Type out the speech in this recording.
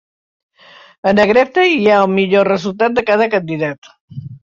En negreta hi ha el millor resultat de cada candidat.